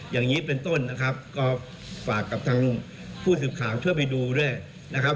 อย่างนี้เป็นต้นนะครับก็ฝากกับทางผู้สื่อข่าวช่วยไปดูด้วยนะครับ